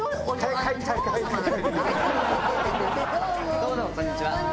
どうもこんにちは。